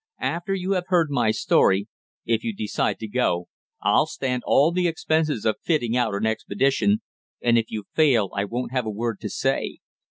After you have heard my story, if you decide to go, I'll stand all the expenses of fitting out an expedition, and if you fail I won't have a word to say.